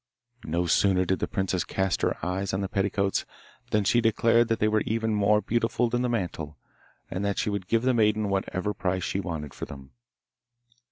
No sooner did the princess cast her eyes on the petticoats than she declared they were even more beautiful than the mantle, and that she would give the maiden whatever price she wanted for them.